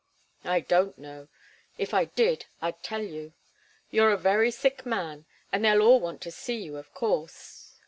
"I don't know. If I did, I'd tell you. You're a very sick man and they'll all want to see you, of course.